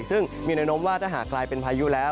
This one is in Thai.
ซึ่งมีแนวโน้มว่าถ้าหากกลายเป็นพายุแล้ว